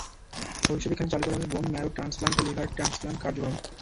ভবিষ্যতে এখানে চালু করা হবে বোন ম্যারো ট্রান্সপ্ল্যান্ট ও লিভার ট্রান্সপ্ল্যান্ট কার্যক্রম।